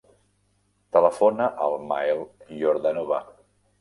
Telefona al Mael Yordanova.